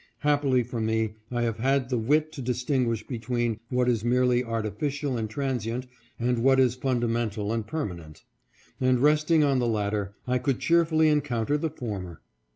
Hap pily for me I have had the wit to distinguish between what is merely artificial and transient and what is funda mental and permanent ; and resting on the latter, I could cheerfully encounter the former.